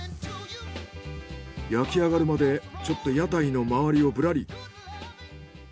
焼きあがるまでちょっと屋台の周りをぶらり。